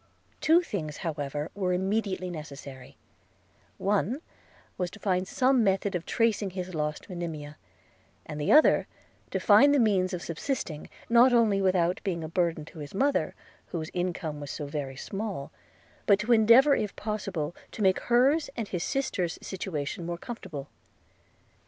Two things, however, were immediately necessary: one was, to find some method of tracing his lost Monimia; and the other, to find the means of subsisting, not only without being a burden to his mother, whose income was so very small, but to endeavor if possible to make hers and his sisters' situation more comfortable.